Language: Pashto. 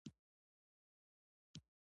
درد بد دی.